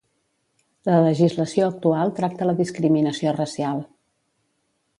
La legislació actual tracta la discriminació racial.